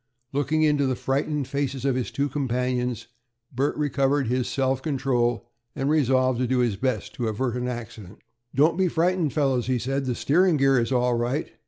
Looking into the frightened faces of his two companions, Bert recovered his self control, and resolved to do his best to avert an accident. "Don't be frightened, fellows," he said. "The steering gear is all right.